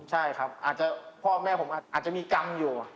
ใช่ครับอาจจะพ่อแม่ผมอาจจะมีกรรมอยู่